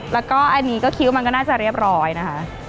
แล้วก็อันนี้ก็คิดว่ามันก็น่าจะเรียบร้อยนะคะ